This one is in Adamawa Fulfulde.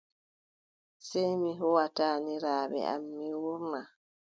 Sey mi hooʼa taaniraaɓe am, mi wuurna.